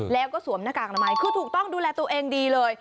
แล้วก็สวมหน้ากากอนามัยคือถูกต้องดูแลตัวเองดีเลย